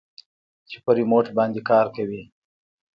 چې په ريموټ باندې کار کوي.